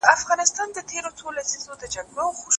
د تیارې غېږي ته درومم